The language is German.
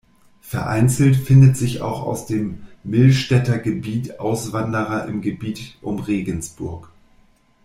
Vereinzelt finden sich auch aus dem Millstätter Gebiet Auswanderer im Gebiet um Regensburg.